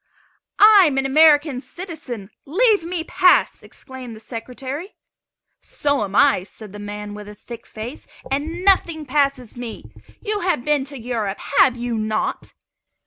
"I am an American citizen; leave me pass!" exclaimed the Secretary. "So am I," said the man with a thick face; "and nothing passes me. You have been to Europe, have you not?"